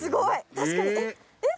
確かにえっ？えっ？